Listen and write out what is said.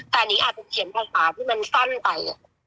แต่นิงอาจจะเขียนภาษาที่มันสั้นไป